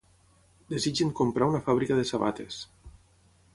Desitgen comprar una fàbrica de sabates.